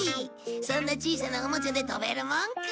そんな小さなオモチャで飛べるもんか。